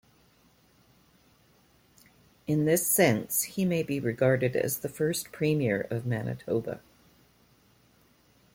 In this sense, he may be regarded as the first Premier of Manitoba.